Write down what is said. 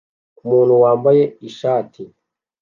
Umuntu wambaye ishati